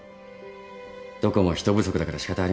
どこも人不足だから仕方ありません。